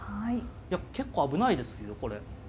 いや結構危ないですよこれ。